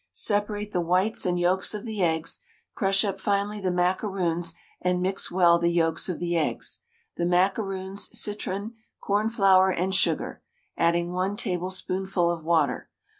Separate the whites and yolks of the eggs, crush up finely the macaroons and mix well the yolks of the eggs, the macaroons, citron, cornflour, and sugar, adding 1 tablespoonful of water.